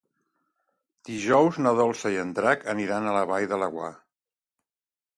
Dijous na Dolça i en Drac aniran a la Vall de Laguar.